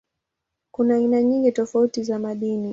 Kuna aina nyingi tofauti za madini.